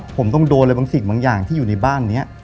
ผมต้องโดนอะไรบางสิ่งบางอย่างที่อยู่ในบ้านนี้